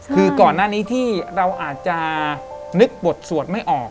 คือก่อนหน้านี้ที่เราอาจจะนึกบทสวดไม่ออก